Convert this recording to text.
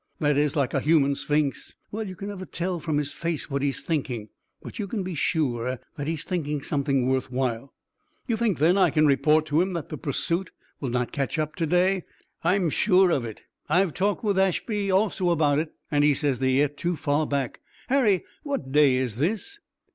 "That is, like a human sphinx. Well, you can never tell from his face what he's thinking, but you can be sure that he's thinking something worth while." "You think then I can report to him that the pursuit will not catch up to day?" "I'm sure of it. I've talked with Ashby also about it and he says they're yet too far back. Harry, what day is this?"